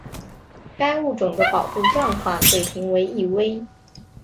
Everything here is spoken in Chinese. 该物种的保护状况被评为易危。